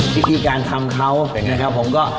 พิธีการทำเขานะครับผมก็